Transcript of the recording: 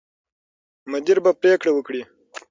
مدیر به پرېکړه وکړي.